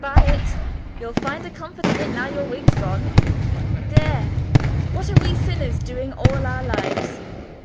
Buy it. You'll find a comfort in it now your wig's gone. Deh! what are we sinners doing all our lives?